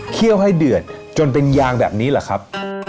เคี่ยวให้เดือดจนเป็นยางแบบนี้แหละครับ